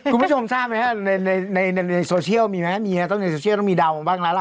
คุณผู้ชมทราบไหมครับในโซเชียลมีไหมมีฮะต้องในโซเชียลต้องมีเดาบ้างแล้วล่ะ